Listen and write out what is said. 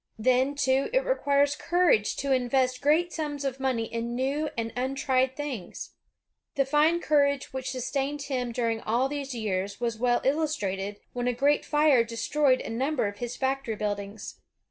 Then, too, it requires courage to invest great sums of money in new and untried things. The fine courage which sustained him during all these years was well illustrated when a great fire destroyed a number of his factory buildings.